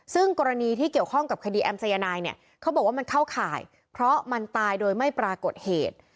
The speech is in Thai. ซึ่งกรณีที่เกี่ยวข้องกับคดีแอมสายนายเนี่ยเขาบอกว่ามันเข้าข่ายเพราะมันตายโดยไม่ปรากฏเหตุ